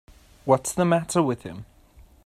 What's the matter with him.